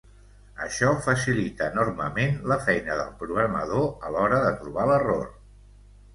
Això facilita enormement la feina del programador a l'hora de trobar l'error.